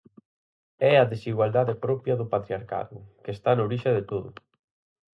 É a desigualdade propia do patriarcado, que está na orixe de todo.